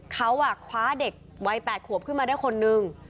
เขาคว้าเด็กวัย๘ขวบขึ้นมาได้คนนึง